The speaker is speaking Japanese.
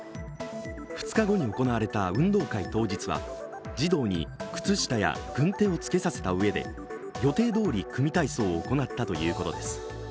２日後に行われた運動会当日は児童に靴下や軍手を着けさせたうえで、予定どおり組体操を行ったということです。